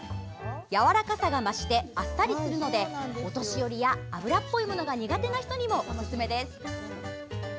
やわらかさが増してあっさりするのでお年寄りや脂っぽいものが苦手な人にもおすすめです。